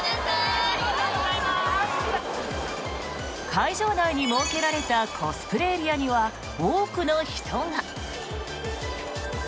会場内に設けられたコスプレエリアには多くの人が。